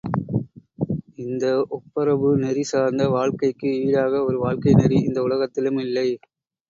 இந்த ஒப்புரவு நெறி சார்ந்த வாழ்க்கைக்கு ஈடாக ஒரு வாழ்க்கை நெறி இந்த உலகத்திலும் இல்லை!